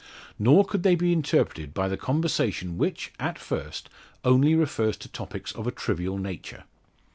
Nor could they be interpreted by the conversation which, at first, only refers to topics of a trivial nature.